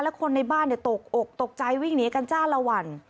คนในบ้านตกอกตกใจวิ่งหนีกันจ้าละวัน